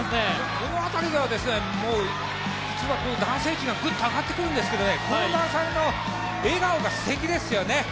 この辺りではもう普通は男性陣がグッと上がってくるんですけどこの２人の笑顔がすてきですよね。